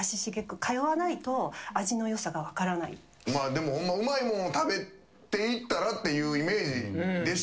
でもホンマうまいもんを食べていったらっていうイメージでしかないですけどね